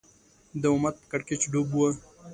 دا امت په کړکېچ ډوب و